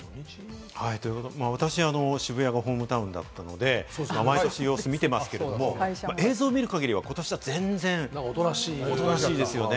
私、渋谷がホームタウンだったので、毎年、様子見てますけれど映像を見る限りはことしは全然おとなしいですよね。